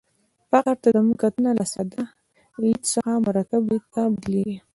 فقر ته زموږ کتنه له ساده لید څخه مرکب لید ته بدلېږي.